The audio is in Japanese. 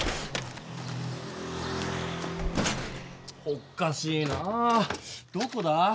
おかしいなどこだ？